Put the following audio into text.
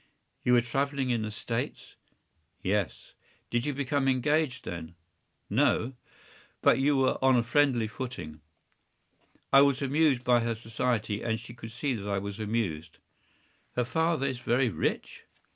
” “You were travelling in the States?” “Yes.” “Did you become engaged then?” “No.” “But you were on a friendly footing?” “I was amused by her society, and she could see that I was amused.” “Her father is very rich?